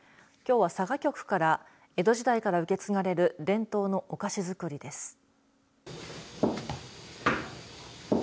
きょうは佐賀局から江戸時代から受け継がれる伝統のお菓子づくりです。